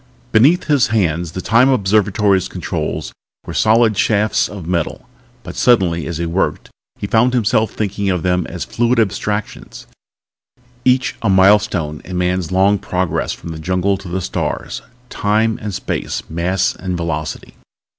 Beneath his hands the Time Observatory's controls were solid shafts of metal. But suddenly as he worked he found himself thinking of them as fluid abstractions, each a milestone in man's long progress from the jungle to the stars. Time and space mass and velocity.